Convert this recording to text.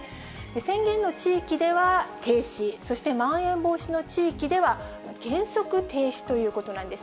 宣言の地域では停止、そしてまん延防止の地域では、原則停止ということなんです。